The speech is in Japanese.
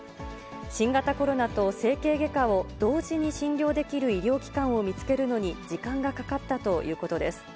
新型コロナと整形外科を同時に診療できる医療機関を見つけるのに時間がかかったということです。